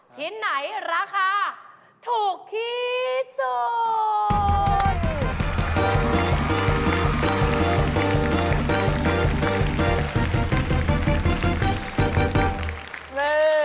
ชิ้นไหนราคาถูกที่สุด